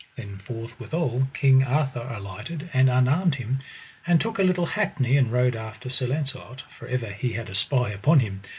Then forthwithal King Arthur alighted and unarmed him, and took a little hackney and rode after Sir Launcelot, for ever he had a spy upon him.